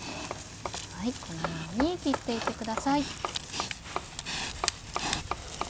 このように切って行ってください。